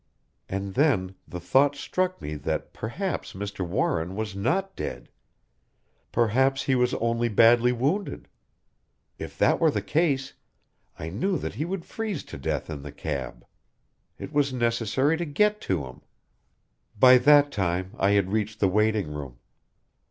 And then the thought struck me that perhaps Mr. Warren was not dead. Perhaps he was only badly wounded. If that were the case I knew that he would freeze to death in the cab. It was necessary to get to him "By that time I had reached the waiting room.